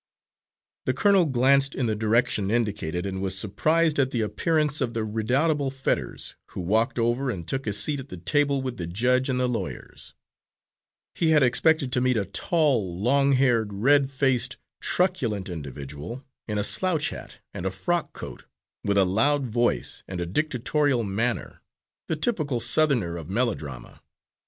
The colonel glanced in the direction indicated, and was surprised at the appearance of the redoubtable Fetters, who walked over and took his seat at the table with the judge and the lawyers. He had expected to meet a tall, long haired, red faced, truculent individual, in a slouch hat and a frock coat, with a loud voice and a dictatorial manner, the typical Southerner of melodrama.